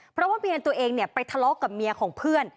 เพราะว่าเมียตัวเองไปทะเลาะกับเมียของเพื่อน